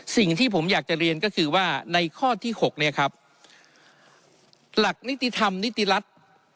สิ่งที่ผมอยากจะเรียนก็คือว่าในข้อที่๖เนี่ยครับหลักนิติธรรมนิติรัฐ